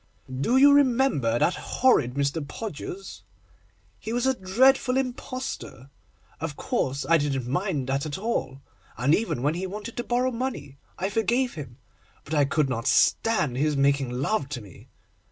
Do you remember that horrid Mr. Podgers? He was a dreadful impostor. Of course, I didn't mind that at all, and even when he wanted to borrow money I forgave him, but I could not stand his making love to me.